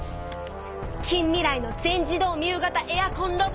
「近未来の全自動ミウ型エアコンロボット」。